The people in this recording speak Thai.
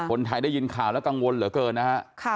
คนไทยได้ยินข่าวแล้วกังวลเหลือเกินนะฮะ